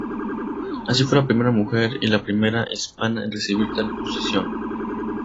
Así fue la primera mujer y la primera hispana en recibir tal posición.